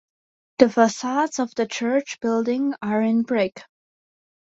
The facades of the church building are in brick.